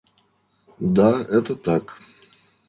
Да, это так.